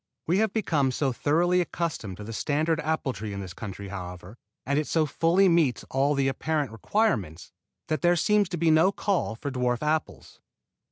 We have become so thoroughly accustomed to the standard apple tree in this country, however, and it so fully meets all the apparent requirements, that there seems to be no call for dwarf apples.